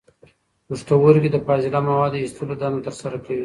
پښتورګي د فاضله موادو د ایستلو دنده ترسره کوي.